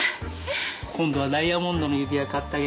今度はダイヤモンドの指輪買ってあげるよ。